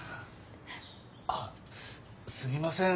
あっすみません。